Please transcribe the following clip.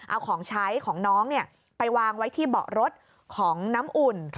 เอาของใช้ของน้องไปวางไว้ที่เบาะรถของน้ำอุ่น